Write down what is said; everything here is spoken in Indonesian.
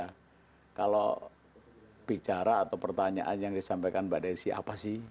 nah kalau bicara atau pertanyaan yang disampaikan mbak desi apa sih